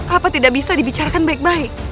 apa tidak bisa dibicarakan baik baik